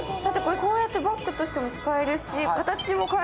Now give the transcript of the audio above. こうやってバッグとしても使えるし。